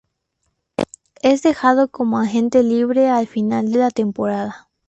Es dejado como agente libre al final la temporada.